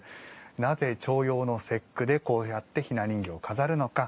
なぜ、重陽の節句でこうやって雛人形を飾るのか。